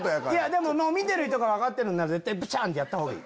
でも見てる人が分かってるんなら絶対ピシャン！ってやったほうがいい。